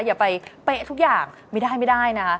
อย่าไปเป๊ะทุกอย่างมีได้นะคะ